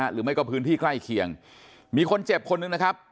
หรือไม่ก็พื้นที่ใกล้เคียงมีคนเจ็บคนหนึ่งนะครับ